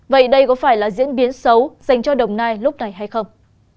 biến xấu dành cho đồng nai lúc này hay không